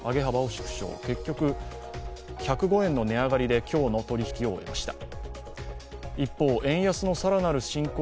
結局、１０５円の値上がりで今日の取引を終えました。